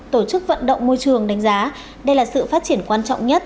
tổ chức vận động môi trường đánh giá đây là sự phát triển quan trọng nhất